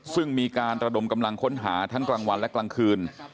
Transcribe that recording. ซึ่งมีการระดมกำลังค้นหาทั้งกลางวันและกลางคืน